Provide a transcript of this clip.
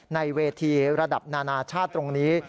ในเวทีระดับนานาชาติตรงนี้